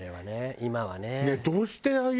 今はね。